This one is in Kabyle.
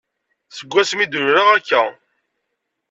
Deg wasmi d-luleɣ akka.